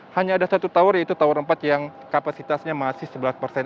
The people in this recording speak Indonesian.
hanya ada satu tower yaitu tower empat yang kapasitasnya masih sebelas persen